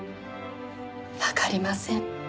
わかりません。